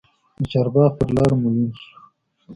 د چارباغ پر لار مو یون سو